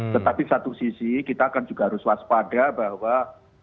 tetapi satu sisi kita akan juga harus waspada bahwa covid sembilan belas ini tidak akan berhasil